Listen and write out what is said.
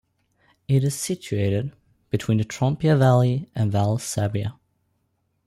It is situated between the Trompia valley and Val Sabbia.